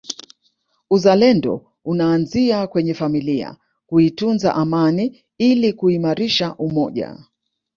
Uzalendo unaanzia kwenye familia kuitunza amani ili kuimarisha umoja